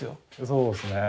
そうですね。